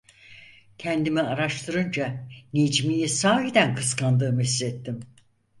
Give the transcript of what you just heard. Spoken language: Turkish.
Kendimi araştırınca Necmi'yi sahiden kıskandığımı hissettim.